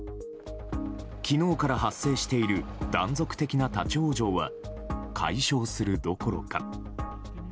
昨日から発生している断続的な立ち往生は解消するどころか。